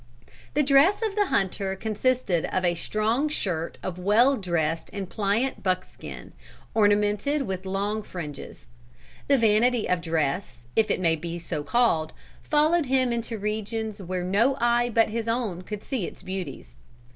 The dress of the hunter consisted of a strong shirt of well dressed and pliant buckskin, ornamented with long fringes. The vanity of dress, if it may be so called, followed him into regions where no eye but his own could see its beauties.